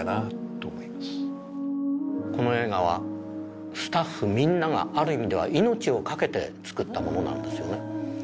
この映画はスタッフみんながある意味では命を懸けて作ったものなんですよね。